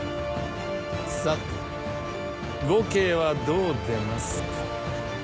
さて呉慶はどう出ますか？